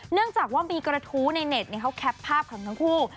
เนื่องจากว่ามีกระทู้ในเน็ตเขาแคปภาพของทั้งคู่